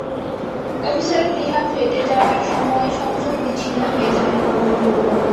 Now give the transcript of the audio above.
অফিসারের প্লীহা ফেটে যাওয়ার সময় সংযোগ বিচ্ছিন্ন হয়ে যায়।